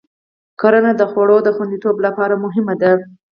کرنه د خوړو د خوندیتوب لپاره مهمه ده.